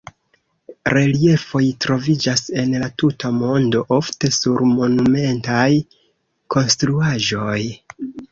Reliefoj troviĝas en la tuta mondo, ofte sur monumentaj konstruaĵoj.